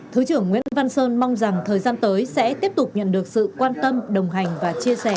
thứ trưởng nguyễn văn sơn mong rằng thời gian tới sẽ tiếp tục nhận được sự quan tâm đồng hành và chia sẻ